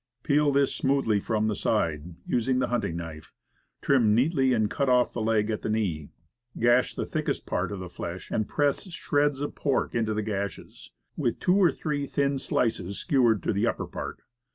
Peel this smoothly from the side, using the hunting knife; trim neatly, and cut off the leg at the knee; gash the thickest part of the flesh, and press shreds of pork into the gashes, with two or three thin slices skewered to the upper part.